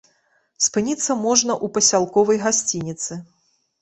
Спыніцца можна ў пасялковай гасцініцы.